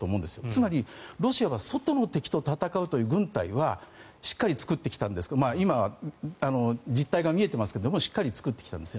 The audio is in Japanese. つまり、ロシアは外の敵と戦うという軍隊はしっかり作ってきたんですが今は実態が見えていますがしっかり作ってきたんです。